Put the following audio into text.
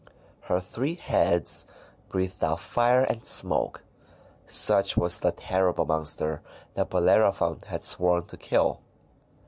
Her three heads breathed out fire and smoke. Such was the terrible monster that Bellerophon had sworn to kill.